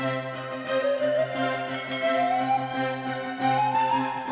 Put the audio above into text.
ya jadi kanjong deh